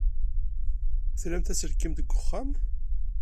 Tlamt aselkim deg uxxam?